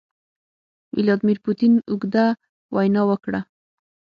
ولادیمیر پوتین اوږده وینا وکړه.